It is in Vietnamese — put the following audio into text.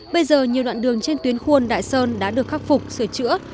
bây giờ nhiều đoạn đường trên tuyến khuôn đại sơn đã được khắc phục sửa chữa